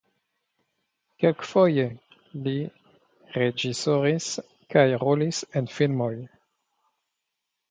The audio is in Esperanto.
Kelkfoje li reĝisoris kaj rolis en filmoj.